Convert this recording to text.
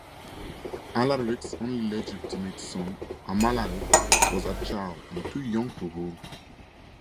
Alaric's only legitimate son, Amalaric, was a child and too young to rule.